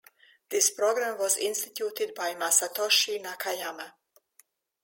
This program was instituted by Masatoshi Nakayama.